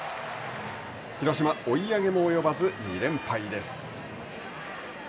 広島、追い上げも及ばず２連敗です。